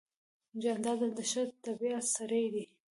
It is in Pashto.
جانداد د ښه طبیعت سړی دی.